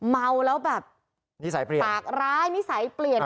เมาแล้วแบบปากร้ายนิสัยเปลี่ยน